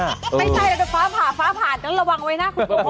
ไม่ใช่แต่ฟ้าผ่าฟ้าผ่าจังระวังไว้นะคุณผู้โหด